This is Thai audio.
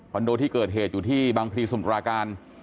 โดที่เกิดเหตุอยู่ที่บางพลีสมุทราการ